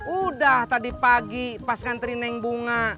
udah tadi pagi pas kan terineng bunga